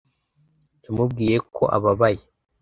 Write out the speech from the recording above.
Yamubwiye ko ababaye.